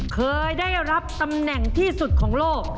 เคยได้รับตำแหน่งที่สุดของโลก